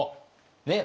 ねっ？